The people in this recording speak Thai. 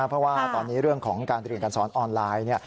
เพราะว่าตอนนี้เรื่องของการเรียนการสอนออนไลน์